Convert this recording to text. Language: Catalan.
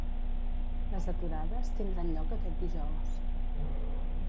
Les aturades tindran lloc aquest dj.